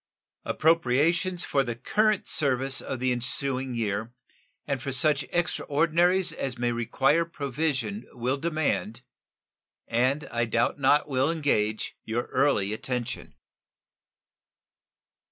Appropriations for the current service of the ensuing year and for such extraordinaries as may require provision will demand, and I doubt not will engage, your early attention.